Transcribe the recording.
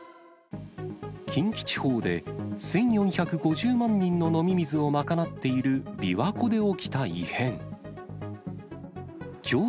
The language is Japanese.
近畿地方で１４５０万人の飲み水を賄っている琵琶湖で起きた異変。